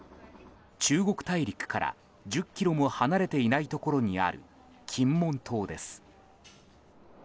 中国大陸から、１０ｋｍも離れていないところにある金門島です。